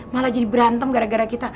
malah jadi berantem gara gara kita